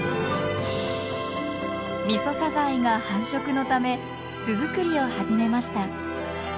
ミソサザイが繁殖のため巣づくりを始めました。